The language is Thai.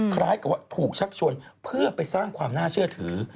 คล้ายกับว่าถูกชักชวนเพื่อไปสร้างความน่าเชื่อถือ